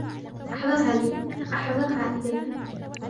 أحضرها إلي.